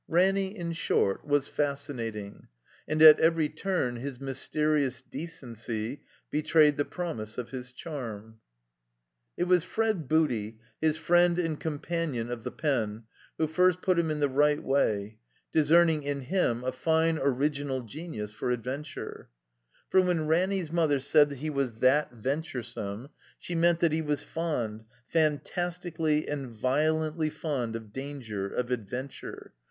Ranny, in short, was fascinating. And at every tiuTi his mysterious decency betrayed the promise of his charm. It was Fred Booty, his friend and companion of the pen, who fixst put him in the right way, discern ing in him a fine original genius for adventure. THE COMBINED MAZE For when Ranny's mother said he was that ven turesome, she meant that he was fond, fantastically and violently fond of danger, of adventure.